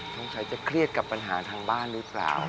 สงสัยจะเครียดกับปัญหาทางบ้านหรือเปล่า